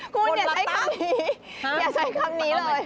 คุณอย่าใช้คำนี้อย่าใช้คำนี้เลย